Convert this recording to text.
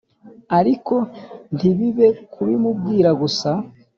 ariko ntibibe kubimubwira gusa